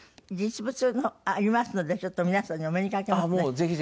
実物もありますのでちょっと皆さんにお目にかけますね。